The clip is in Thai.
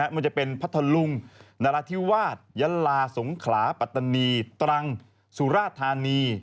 มันจะเป็นพัทธลุงนราธิวาสยะลาสงขลาปัตตานีตรังสุราธานี